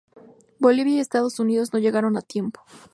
Bolivia y Estados Unidos no llegaron a tiempo.